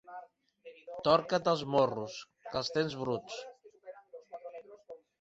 Torca't els morros, que els tens bruts!